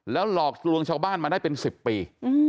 หลอกลวงชาวบ้านมาได้เป็น๑๐ปี